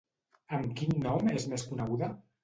Amb quin nom és més coneguda?